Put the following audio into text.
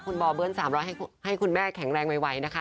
คุณบอเบิ้ล๓๐๐ให้คุณแม่แข็งแรงไวนะคะ